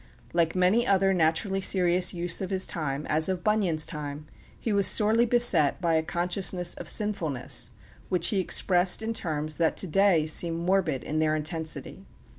Like many other naturally serious youths of his time, as of Bunyan's time, he was sorely beset by a consciousness of sinfulness, which he expressed in terms that today seem morbid in their intensity.